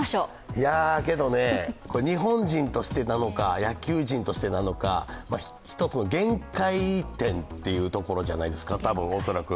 日本人としてなのか野球人としてなのか、１つの限界点というところじゃないですか、多分、恐らく。